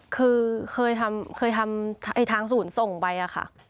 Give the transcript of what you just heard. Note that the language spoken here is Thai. คือเคยทำทางศูนย์ส่งไปอะค่ะ